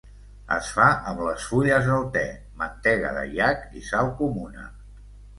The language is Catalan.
Es fa amb les fulles del te, mantega de iac i sal comuna.